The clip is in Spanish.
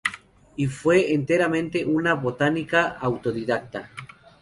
Y, fue enteramente una botánica autodidacta.